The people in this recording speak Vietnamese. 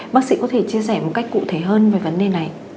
bác sĩ có thể chia sẻ một cách cụ thể hơn về vấn đề này